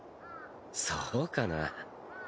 そうかな？